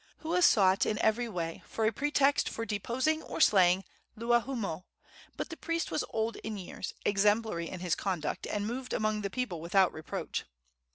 Hua sought in every way for a pretext for deposing or slaying Luahoomoe; but the priest was old in years, exemplary in his conduct, and moved among the people without reproach.